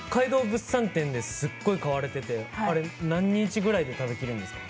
物産展ですごい買われてて、あれ、何日ぐらいで食べきるんですか？